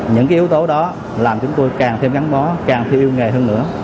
những yếu tố đó làm chúng tôi càng thêm ngắn bó càng thiêu nghề hơn nữa